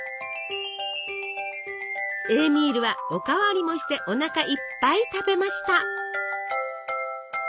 エーミールはお代わりもしておなかいっぱい食べました。